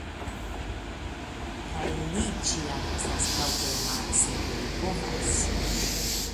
Kaj li ĉiam estas helpema, se li povas.